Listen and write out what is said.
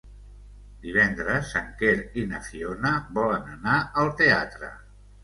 Divendres en Quer i na Fiona volen anar al teatre.